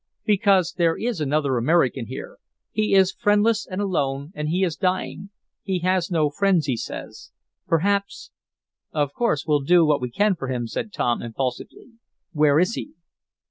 "Because there is another American here. He is friendless and alone, and he is dying. He has no friends, he says. Perhaps " "Of course we'll do what we can for him," said Tom, impulsively. "Where is he?"